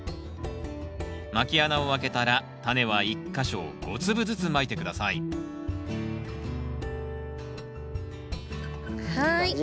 まき穴を開けたらタネは１か所５粒ずつまいて下さいはい。